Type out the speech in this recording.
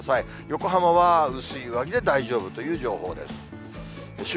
横浜は薄い上着で大丈夫という情報です。